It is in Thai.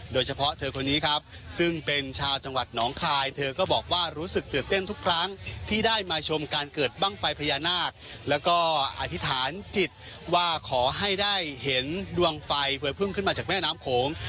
โดยเฉพาะเธอคนนี้ครับซึ่งเป็นชาวจังหวัดหนองคายเธอก็บอกว่ารู้สึกตื่นเต้นทุกครั้งที่ได้มาชมการเกิดบ้างไฟพญานาคแล้วก็อธิษฐานจิตว่าขอให้ได้เห็นดวงไฟเผยพึ่งขึ้นมาจากแม่น้ำโขง